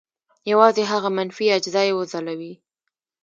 یوازې هغه منفي اجزا یې وځلوي.